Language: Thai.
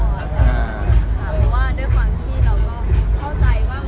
ไม่รู้ว่าเปิดได้หรือเปล่า